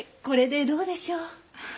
これでどうでしょう？